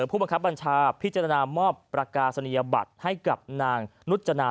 ผู้บังคับบัญชาพิจารณามอบประกาศนียบัตรให้กับนางนุจนา